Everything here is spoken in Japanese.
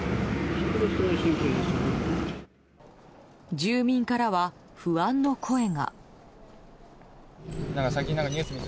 住民からは不安の声が。